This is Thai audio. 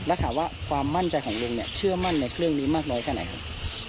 แล้วถามว่าความมั่นใจของลุงเนี่ยเชื่อมั่นในเรื่องนี้มากน้อยแค่ไหนครับ